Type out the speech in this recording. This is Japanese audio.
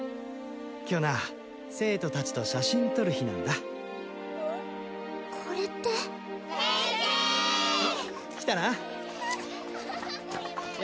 今日な生徒達と写真撮る日なんだこれってせんせー！